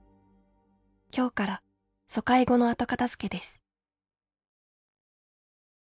今日から疎開後の後片づけです」。